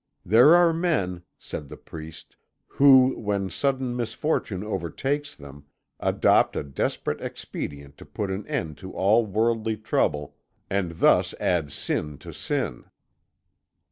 "There are men," said the priest, "who, when sudden misfortune overtakes them, adopt a desperate expedient to put an end to all worldly trouble, and thus add sin to sin."